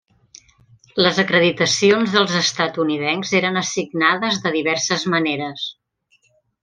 Les acreditacions dels estatunidencs eren assignades de diverses maneres.